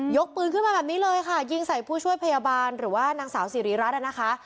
กปืนขึ้นมาแบบนี้เลยค่ะยิงใส่ผู้ช่วยพยาบาลหรือว่านางสาวสิริรัตนอ่ะนะคะ